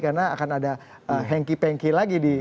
karena akan ada hengki pengki lagi